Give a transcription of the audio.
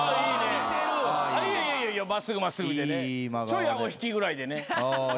ちょい顎引きぐらいでね。